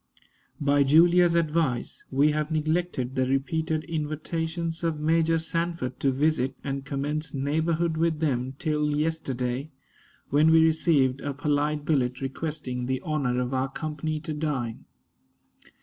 By Julia's advice we have neglected the repeated invitations of Major Sanford to visit and commence neighborhood with them till yesterday, when we received a polite billet requesting the honor of our company to dine.